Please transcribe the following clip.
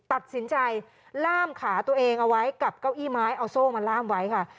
ตัดสินใจล่ามขาตัวเองเอาไว้กับเก้าอี้ไม้เอาโซ่มาล่ามไว้ค่ะ